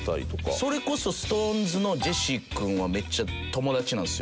それこそＳｉｘＴＯＮＥＳのジェシー君はめっちゃ友達なんですよ。